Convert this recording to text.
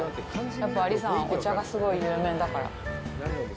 やっぱり、阿里山はお茶がすごい有名だから。